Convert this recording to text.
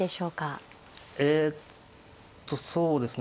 えっとそうですね